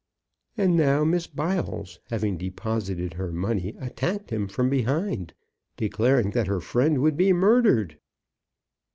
And now Miss Biles, having deposited her money, attacked him from behind, declaring that her friend would be murdered.